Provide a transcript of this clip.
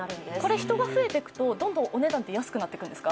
人が増えていくとどんどんお値段は安くなっていくんですか？